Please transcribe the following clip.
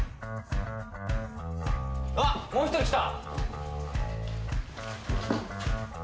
あっもう１人来た。